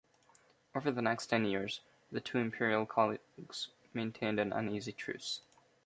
Over the next ten years, the two imperial colleagues maintained an uneasy truce.